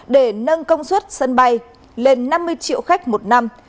để nâng công suất sân bay lên năm mươi triệu khách một năm